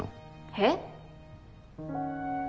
えっ？